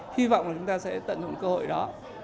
hy vọng là chúng ta sẽ tận dụng cơ hội đó